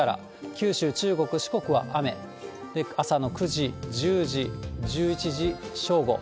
九州、中国、四国は雨、朝の９時、１０時、１１時、正午。